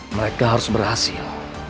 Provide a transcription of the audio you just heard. mereka harus berhasil